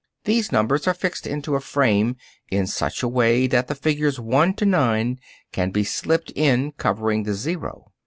These numbers are fixed into a frame in such a way that the figures 1 to 9 can be slipped in covering the zero.